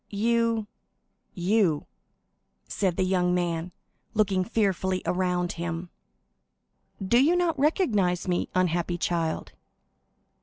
"You—you?" said the young man, looking fearfully around him. "Do you not recognize me, unhappy child?"